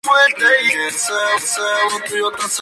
Vive bajo corteza, piedras o troncos.